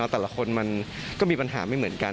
แต่ละคนมันก็มีปัญหาไม่เหมือนกัน